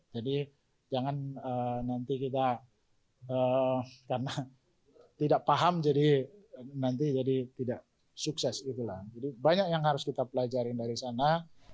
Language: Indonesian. jadi jangan nanti kita karena tidak paham jadi nanti tidak sukses itulah jadi banyak yang harus kita pelajari dari sana